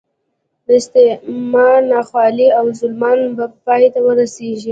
د استعمار ناخوالې او ظلمونه به پای ته ورسېږي.